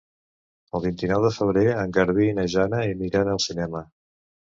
El vint-i-nou de febrer en Garbí i na Jana aniran al cinema.